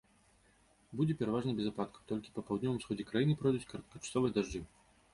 Будзе пераважна без ападкаў, толькі па паўднёвым усходзе краіны пройдуць кароткачасовыя дажджы.